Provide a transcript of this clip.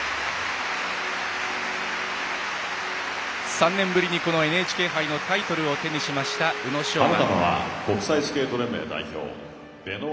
３年ぶりにこのＮＨＫ杯のタイトルを手にしました宇野昌磨。